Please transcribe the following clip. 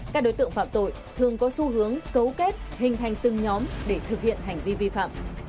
các đối tượng phạm tội thường có xu hướng cấu kết hình thành từng nhóm để thực hiện hành vi vi phạm